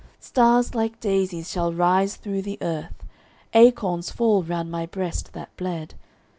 Stars, like daisies, shall rise through the earth, Acorns fall round my breast that bled.